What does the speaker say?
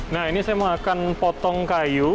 nah ini saya mau akan potong kayu